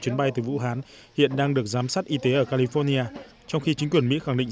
chuyến bay từ vũ hán hiện đang được giám sát y tế ở california trong khi chính quyền mỹ khẳng định